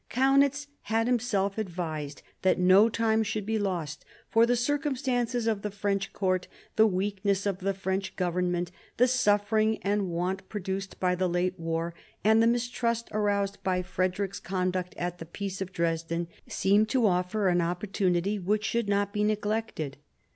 Kaunitz had himself advised that no time should be lost ; for the circumstances of the .French court, the weakness of the French Government, the suffering and want produced by the late war, and the mistrust aroused by Frederick's conduct at the Peace of Dresden, seemed to offer an opportunity which should not be neglected.